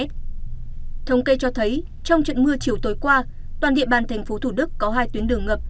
thống kê cho thấy trong trận mưa chiều tối qua toàn địa bàn thành phố thủ đức có hai tuyến đường ngập